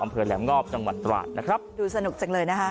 อำเภอแหลมงอบจังหวัดตราดนะครับดูสนุกจังเลยนะฮะ